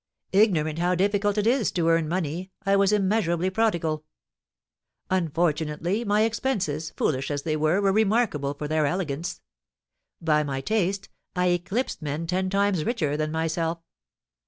Ignorant how difficult it is to earn money, I was immeasurably prodigal. Unfortunately, my expenses, foolish as they were, were remarkable for their elegance. By my taste, I eclipsed men ten times richer than myself.